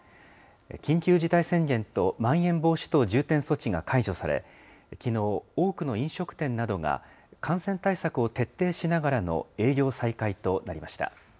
緊急事態宣言とまん延防止等重点措置が解除され、きのう、多くの飲食店などが、感染対策を徹底しながらの営業再開となりました。